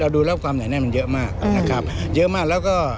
ดูแล้วความหนาแน่นมันเยอะมากนะครับเยอะมากแล้วก็